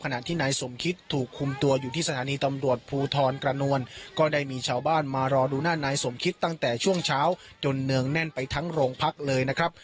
นายสมคิดถูกคุมตัวอยู่ที่สถานีตำรวจภูทรกระนวลก็ได้มีชาวบ้านมารอดูหน้านายสมคิดตั้งแต่ช่วงเช้าจนเนืองแน่นไปทั้งโรงพักเลยนะครับ